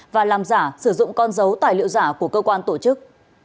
và làm giả sử dụng con dấu tài liệu giả của cơ quan tổ chức